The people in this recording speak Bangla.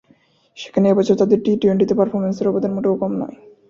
সেখানে এ বছর তাঁদের টি টোয়েন্টিতে পারফরম্যান্সের অবদান মোটেও কম নয়।